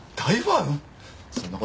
そんな事